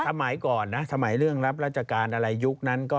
สมัยก่อนสมัยเรื่องรับราชการอาหร่ายยุคนั้น